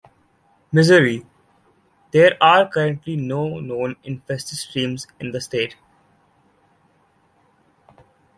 Missouri: There are currently no known infested streams in the state.